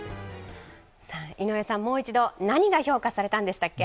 井上さん、もう一度、何が評価されたんでしたっけ？